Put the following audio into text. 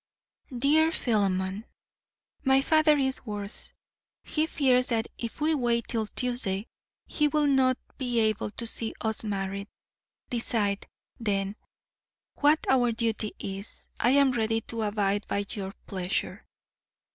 DEAR PHILEMON: My father is worse. He fears that if we wait till Tuesday he will not be able to see us married. Decide, then, what our duty is; I am ready to abide by your pleasure.